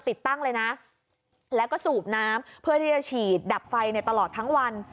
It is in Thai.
ติดตั้งเลยนะแล้วก็สูบน้ำเพื่อที่จะฉีดดับไฟในตลอดทั้งวัน